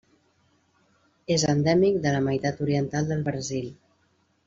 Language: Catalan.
És endèmic de la meitat oriental del Brasil.